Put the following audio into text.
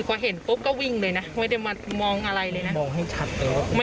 ไอ้หนูไม่ได้สนิทอะไรกับข่าวนะ